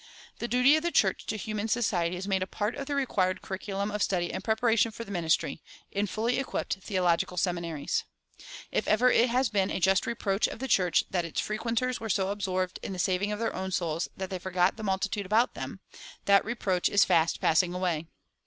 The duty of the church to human society is made a part of the required curriculum of study in preparation for the ministry, in fully equipped theological seminaries. If ever it has been a just reproach of the church that its frequenters were so absorbed in the saving of their own souls that they forgot the multitude about them, that reproach is fast passing away.